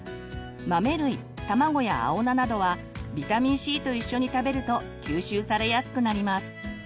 豆類卵や青菜などはビタミンＣと一緒に食べると吸収されやすくなります。